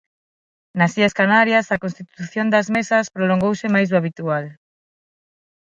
Nas illas Canarias a constitución das mesas prolongouse máis do habitual.